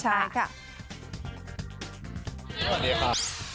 ใช่ค่ะ